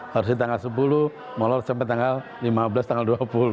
harusnya tanggal sepuluh molor sampai tanggal lima belas tanggal dua puluh